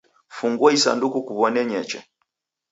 Fungua isanduku kuw'one ny'eche.